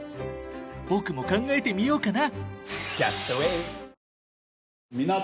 僕も考えてみようかな。